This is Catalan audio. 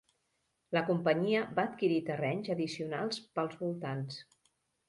La companyia va adquirir terrenys addicionals pels voltants.